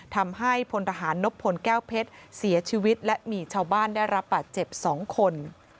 พลทหารนบพลแก้วเพชรเสียชีวิตและมีชาวบ้านได้รับบาดเจ็บ๒คน